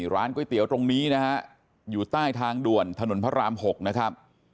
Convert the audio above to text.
ร้านก๋วยเตี๋ยวตรงนี้นะฮะอยู่ใต้ทางด่วนถนนพระราม๖นะครับ